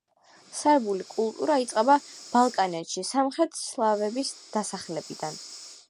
სერბული კულტურა იწყება ბალკანეთში სამხრეთ სლავების დასახლებიდან.